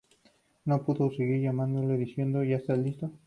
No puedo seguir llamándole diciendo, '¿Ya estás listo?